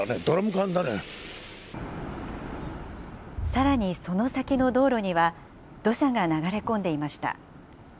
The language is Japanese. さらにその先の道路には、土砂が流れ込んでいました。